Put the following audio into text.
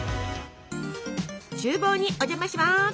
ちゅう房にお邪魔します。